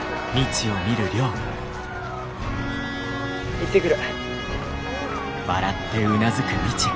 行ってくる。